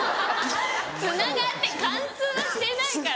つながって貫通はしてないから。